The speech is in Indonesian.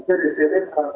baik terima kasih